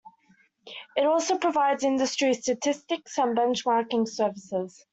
It also provides industry statistics and benchmarking services.